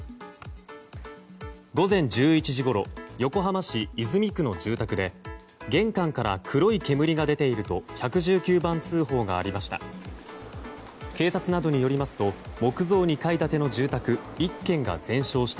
午前１１時ごろ横浜市泉区の住宅で玄関から黒い煙が出ていると１１９番通報がありました。